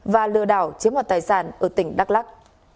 và lừa đảo chiếm hoạt tài sản ở tỉnh đắk lắc